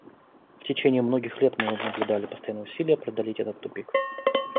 В течение многих лет мы наблюдали постоянные усилия преодолеть этот тупик.